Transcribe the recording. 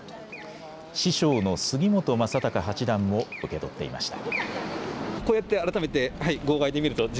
師匠の杉本昌隆八段も受け取っていました。